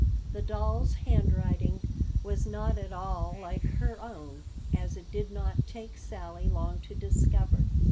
The dolls' handwriting was not at all like her own, as it did not take Sally long to discover.